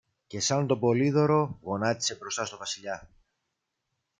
και σαν τον Πολύδωρο γονάτισε μπροστά στο Βασιλιά.